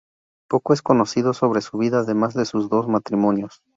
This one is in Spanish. Poco es conocido sobre su vida además de sus dos matrimonios.